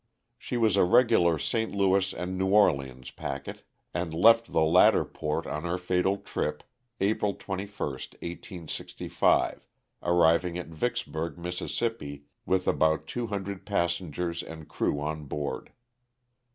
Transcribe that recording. She was a regular St. Louis and New Orleans packet, and left the latter port on her fatal trip April 21, 1865, arriving at Vicksburg, Miss., with about two hundred passengers and crew on board.